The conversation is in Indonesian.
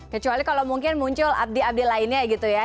kecuali kalau mungkin muncul abdi abdi lainnya gitu ya